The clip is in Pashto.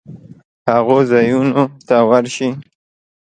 هغو ځایونو ته ورشي